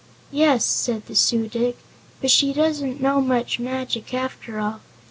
"Yes," said the Su dic, "but she doesn't know much magic, after all.